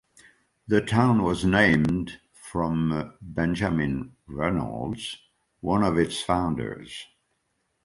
The town was named for Benjamin Reynolds, one of its founders.